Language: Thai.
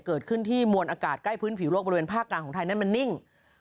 เกิดขึ้นที่มวลอากาศใกล้พื้นผิวโลกบริเวณภาคกลางของไทยนั้นมันนิ่ง